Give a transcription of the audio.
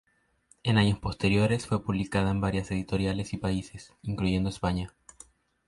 En años posteriores fue publicada en varias editoriales y países, incluyendo España.